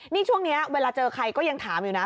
นี่ช่วงนี้เวลาเจอใครก็ยังถามอยู่นะ